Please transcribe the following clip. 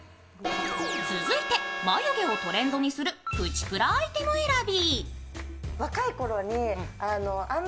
続いて眉毛をトレンドにするプチプラ選び。